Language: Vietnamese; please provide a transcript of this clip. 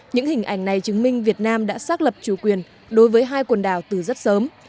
những hình ảnh này chứng minh việt nam đã xác lập chủ quyền đối với hai quần đảo từ rất sớm